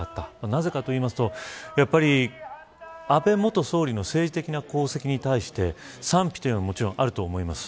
なぜかというと、やっぱり安倍元総理の政治的な功績に対して賛否というのはもちろんあると思います。